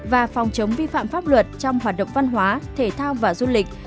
và phòng chống vi phạm pháp luật trong hoạt động văn hóa thể thao và du lịch